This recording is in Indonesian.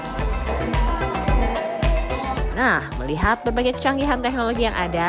nah melihat berbagai cekanggihan teknologi yang ada